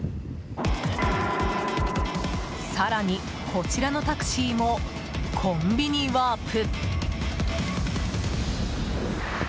更に、こちらのタクシーもコンビニワープ。